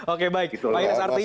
oke baik pak inas artinya